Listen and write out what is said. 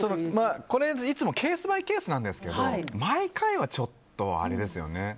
これっていつもケースバイケースなんですけど毎回はちょっとあれですよね。